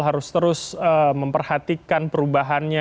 harus terus memperhatikan perubahannya